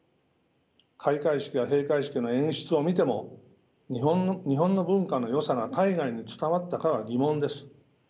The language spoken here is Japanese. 開会式や閉会式の演出を見ても日本の文化のよさが海外に伝わったかは疑問です。